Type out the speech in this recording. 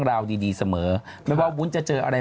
ก็จะถูกกว่าทุกคนไง